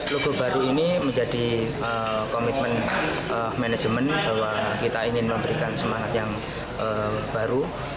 logo baru ini menjadi komitmen manajemen bahwa kita ingin memberikan semangat yang baru